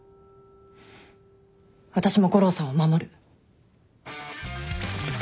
私も悟郎さんを守る。